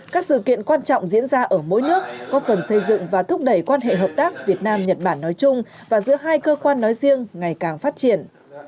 các sự kiện quan trọng diễn ra ở mỗi nước có phần xây dựng và thúc đẩy quan hệ hợp tác việt nam nhật bản nói chung và giữa hai cơ quan nói riêng ngày càng phát triển